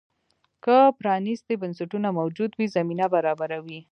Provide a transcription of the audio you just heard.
که پرانیستي بنسټونه موجود وي، زمینه برابروي.